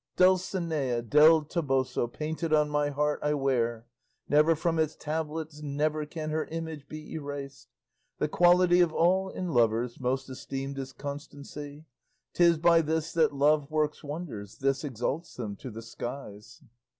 Dulcinea del Toboso Painted on my heart I wear; Never from its tablets, never, Can her image be eras'd. The quality of all in lovers Most esteemed is constancy; 'T is by this that love works wonders, This exalts them to the skies.